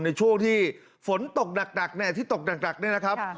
ในช่วงที่ฝนตกหนักที่ตกหนักเนี่ยนะครับ